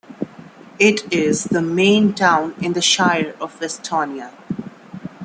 It is the main town in the Shire of Westonia.